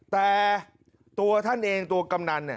แต่ตัวท่านเองตัวกำนัน